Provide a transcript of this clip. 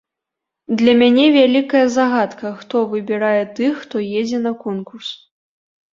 Для мяне вялікая загадка, хто выбірае тых, хто едзе на конкурс.